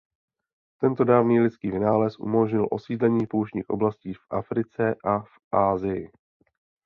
Tento dávný lidský vynález umožnil osídlení pouštních oblastí v Africe a v Asii.